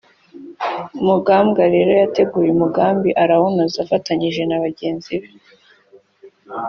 Mugambwa rero yateguye umugambi arawunoza afatanyije na mugenzi we